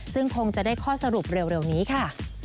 ซึ่งคงจะได้ข้อสรุปเร็วนี้ค่ะ